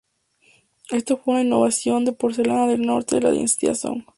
Esto fue una innovación de porcelana del norte de la dinastía Song.